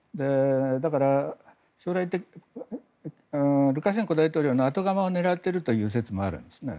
だから、ルカシェンコ大統領の後釜を狙っているという説もあるんですね。